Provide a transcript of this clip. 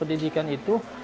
sebelum cita anggaran kaya the